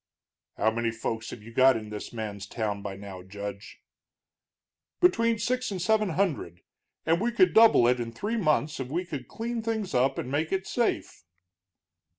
"How many folks have you got in this man's town by now, Judge?" "Between six and seven hundred. And we could double it in three months if we could clean things up and make it safe."